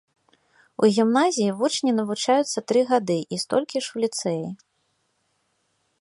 У гімназіі вучні навучаюцца тры гады і столькі ж у ліцэі.